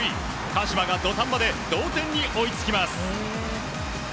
鹿島が土壇場で同点に追いつきます。